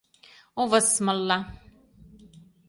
о высмылла